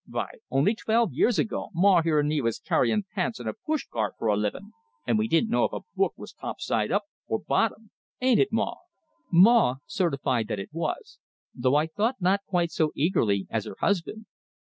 Vy, only twelve years ago, Maw here and me vas carryin' pants in a push cart fer a livin', and we didn't know if a book vas top side up or bottom ain't it, Maw?" Maw certified that it was though I thought not quite so eagerly as her husband.